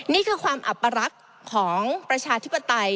นี่คือความอัปรักษ์ของประชาธิปไตย